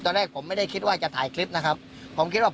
ตอนแรกผมไม่ได้คิดว่าจะถ่ายคลิปนะครับผมคิดว่า